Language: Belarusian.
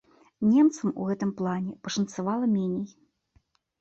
Немцам у гэтым плане пашанцавала меней.